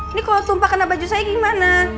ini kalau tumpah kena baju saya gimana